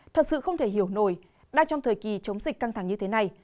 thật sự không thể hiểu nổi đang trong thời kỳ chống dịch căng thẳng như thế này